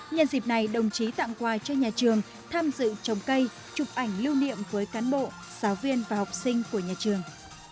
nhân dịp này đồng chí tặng quà cho nhà trường tham dự trồng cây chụp ảnh lưu niệm với cán bộ giáo viên và học sinh của nhà trường